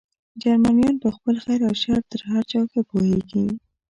جرمنیان په خپل خیر او شر تر هر چا ښه پوهېږي.